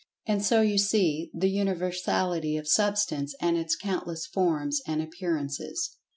And so you see the universality of Substance and its countless forms and appearances.